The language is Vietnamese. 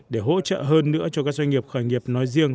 để hỗ trợ hơn nữa cho các doanh nghiệp khởi nghiệp nói riêng